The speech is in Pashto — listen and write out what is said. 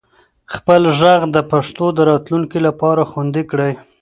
خپل ږغ د پښتو د راتلونکي لپاره خوندي کړئ.